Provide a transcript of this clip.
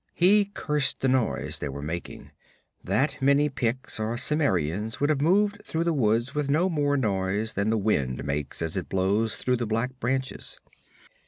He cursed the noise they were making; that many Picts or Cimmerians would have moved through the woods with no more noise than the wind makes as it blows through the black branches.